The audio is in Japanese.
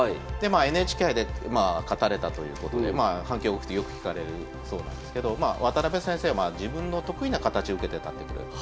ＮＨＫ杯で勝たれたということで反響大きくてよく聞かれるそうなんですけど渡辺先生はまあ自分の得意な形を受けてたってことで。